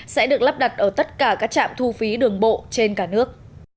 sẽ được lắp đặt ở tất cả các trạm thu phí đường bộ trên cả nước